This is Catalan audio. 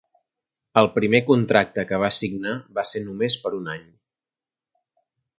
El primer contracte que va signar va ser només per un any.